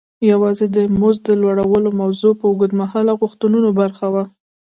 یوازې د مزد د لوړولو موضوع د اوږد مهاله غوښتنو برخه وه.